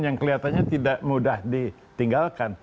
yang kelihatannya tidak mudah ditinggalkan